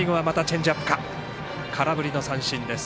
空振りの三振です。